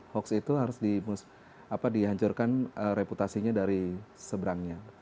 hoax itu harus dihancurkan reputasinya dari seberangnya